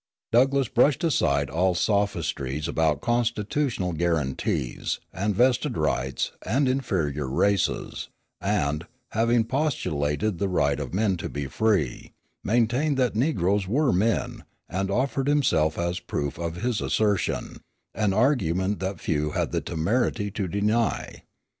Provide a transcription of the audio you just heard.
Douglass brushed aside all sophistries about Constitutional guarantees, and vested rights, and inferior races, and, having postulated the right of men to be free, maintained that negroes were men, and offered himself as a proof of his assertion, an argument that few had the temerity to deny.